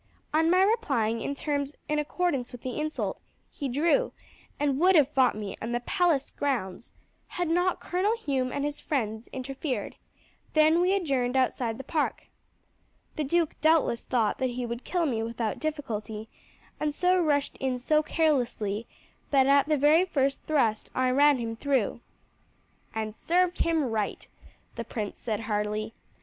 On my replying in terms in accordance with the insult, he drew, and would have fought me in the palace grounds had not Colonel Hume and his friends interfered; then we adjourned outside the park. The duke doubtless thought that he would kill me without difficulty, and so rushed in so carelessly that at the very first thrust I ran him through." "And served him right," the prince said heartily.